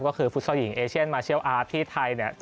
ก็คือฟุตซอลหญิงเอเชียนมาเชียลอาร์ตที่ไทยเนี่ย